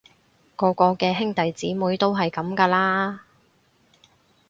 個個嘅兄弟姊妹都係噉㗎啦